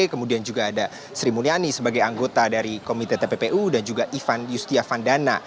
kemudian juga ada sri mulyani sebagai anggota dari komite tppu dan juga ivan yustiavandana